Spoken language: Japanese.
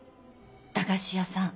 駄菓子屋さん。